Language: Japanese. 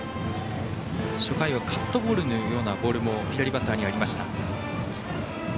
初回はカットボールのようなボールも左バッターにはありました。